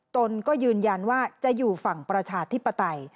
ตนก็ยืนยันว่าจะอยู่ฝั่งประชาธิปไตย